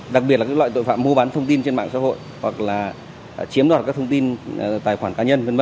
đặc biệt là các loại tội phạm mua bán thông tin trên mạng xã hội hoặc là chiếm đoạt các thông tin tài khoản cá nhân v v